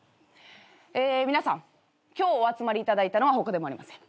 え皆さん今日お集まりいただいたのはほかでもありません。